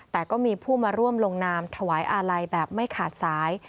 แต่ก็มีผู้มาร่วมลงนามถวายอาลัยแบบไม่ขาดสาย